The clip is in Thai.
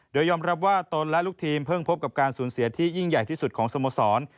โดยยอมรับว่าตนและลูกทีมเพิ่งพบกับการสูญเสียที่ยิ่งใหญ่ที่สุดของสโมสร